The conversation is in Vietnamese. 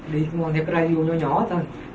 đi ngon theo cái radio nhỏ nhỏ thôi